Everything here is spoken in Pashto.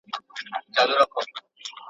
قلندر ويل تا غوښتل غيرانونه